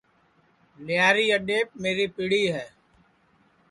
لیاری اڈؔیپ میری پڑی ہے